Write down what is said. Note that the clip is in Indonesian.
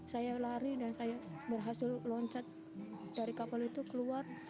saya lari dan saya berhasil loncat dari kapal itu keluar